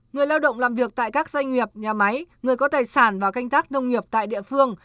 người lao động làm việc tại các doanh nghiệp nhà máy người có tài sản và canh tác nông nghiệp tại địa phương